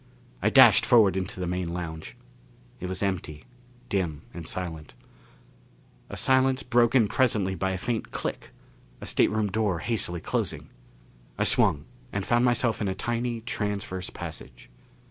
I dashed forward into the main lounge. It was empty, dim and silent, a silence broken presently by a faint click, a stateroom door hastily closing. I swung and found myself in a tiny transverse passage.